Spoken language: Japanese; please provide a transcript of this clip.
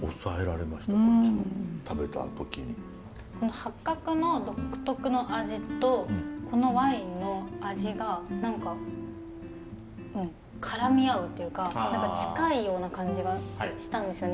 八角の独特の味とこのワインの味が何か絡み合うというか近いような感じがしたんですよね